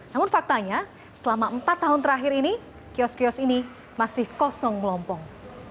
namun faktanya selama empat tahun terakhir ini kios kios ini masih kosong melompong